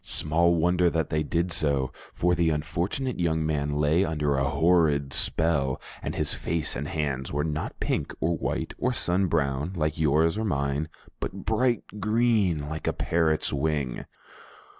Small wonder that they did so, for the unfortunate young man lay under a horrid spell, and his face and hands were not pink or white or sun brown, like yours or mine, but bright green, like a parrot's wing!